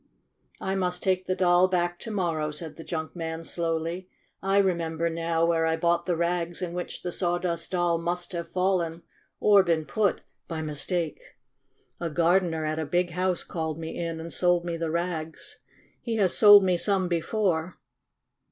"I must take the Doll back to morrow," said the junk man slowly. "I remember now where I bought the rags in which the Sawdust Doll must have fallen or been put by mistake. A gardener at a big house called me in and sold me the rags. He has sold me some before.